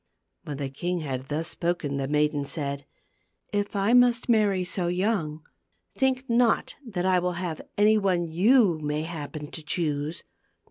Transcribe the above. When the king had thus spoken the maiden said, " If I must marry so young, think not that I will have any one you may happen to choose.